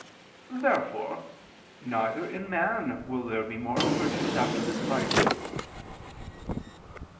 Therefore neither in man will there be moral virtues after this life.